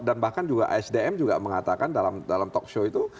dan bahkan juga sdm juga mengatakan dalam talkshow itu